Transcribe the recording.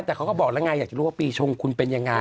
แต่เขาก็บอกแล้วไงอยากจะรู้ว่าปีชงคุณเป็นยังไง